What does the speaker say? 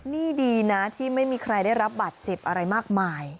นี่ดีนะที่ไม่มีใครได้รับบาดเจ็บอะไรมากมาย